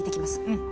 うん。